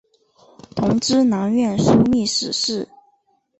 同知南院枢密使事。